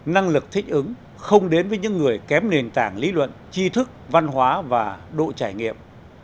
năng lực thích ứng không đến với những người kém nền tảng lý luận chi thức văn hóa và độ trải nghiệm